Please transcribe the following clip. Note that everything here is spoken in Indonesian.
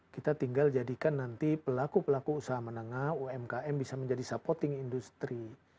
kita tinggal jadikan nanti pelaku pelaku usaha menengah umkm bisa menjadi supporting industri